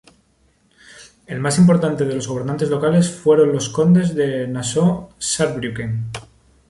El más importante de los gobernantes locales fueron los condes de Nassau-Saarbrücken.